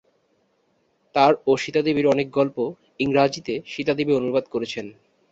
তার ও সীতা দেবীর অনেক গল্প ইংরাজীতে সীতা দেবী অনুবাদ করেছেন।